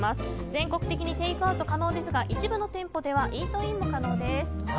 全国的にテイクアウト可能ですが一部の店舗ではイートインも可能です。